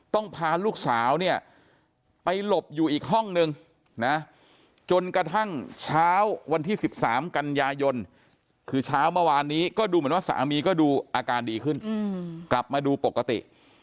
พาลูกสาวเนี่ยไปหลบอยู่อีกห้องนึงนะจนกระทั่งเช้าวันที่๑๓กันยายนคือเช้าเมื่อวานนี้ก็ดูเหมือนว่าสามีก็ดูอาการดีขึ้นกลับมาดูปกติ